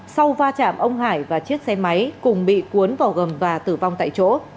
sau va chạm ông hải và chiếc xe máy cùng bị cuốn vào gầm và tử vong tại chỗ